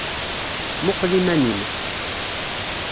Muqqel iman-im.